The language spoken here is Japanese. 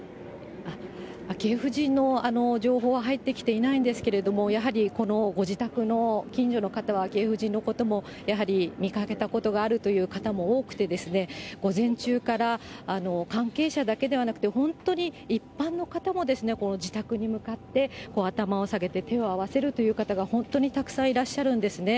昭恵夫人の情報は入ってきていないんですけれども、やはりこのご自宅の近所の方は、昭恵夫人のことも、やはり見かけたことがあるという方も多くて、午前中から関係者だけではなくて、本当に一般の方も、この自宅に向かって頭を下げて、手を合わせるという方が、本当にたくさんいらっしゃるんですね。